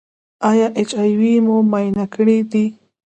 ایا ایچ آی وي مو معاینه کړی دی؟